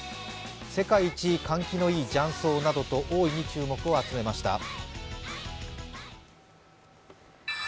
世界一換気のいいジャン荘などと大いに注目を集めました。